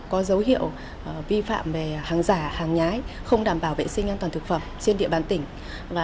có dấu hiệu vi phạm về hàng giả hàng nhái không đảm bảo vệ sinh an toàn thực phẩm trên địa bàn tỉnh